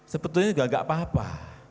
sebetulnya juga gak apa apa